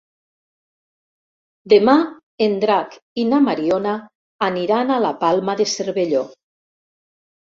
Demà en Drac i na Mariona aniran a la Palma de Cervelló.